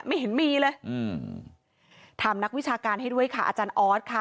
ไม่เห็นมีเลยอืมถามนักวิชาการให้ด้วยค่ะอาจารย์ออสค่ะ